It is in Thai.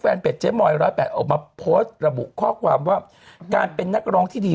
แฟนเพจเช้นโมยร้อยแปดออกมาโพสต์ระบุข้อความว่าการเป็นนักร้องที่ดี